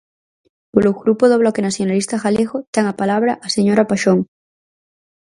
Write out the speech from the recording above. Polo Grupo do Bloque Nacionalista Galego, ten a palabra a señora Paxón.